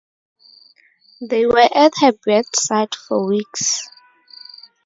They were at her bedside for weeks.